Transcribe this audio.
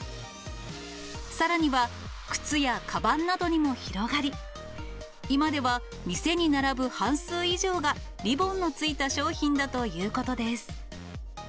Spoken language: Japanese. さらには、靴やかばんなどにも広がり、今では店に並ぶ半数以上が、リボンのついた商品だということです。